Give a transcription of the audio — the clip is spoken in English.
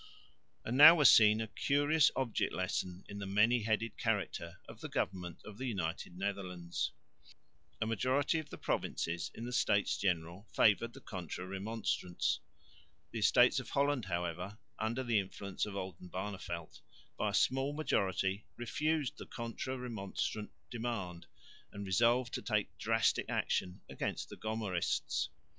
And now was seen a curious object lesson in the many headed character of the government of the United Netherlands. A majority of the provinces in the States General favoured the Contra Remonstrants. The Estates of Holland, however, under the influence of Oldenbarneveldt by a small majority refused the Contra Remonstrant demand and resolved to take drastic action against the Gomarists.